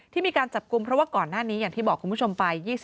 มีการจับกลุ่มเพราะว่าก่อนหน้านี้อย่างที่บอกคุณผู้ชมไป